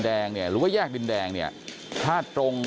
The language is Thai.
คุณภูริพัฒน์บุญนิน